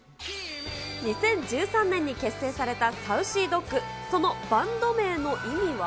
２０１３年に結成されたサウシードッグ、そのバンド名の意味は。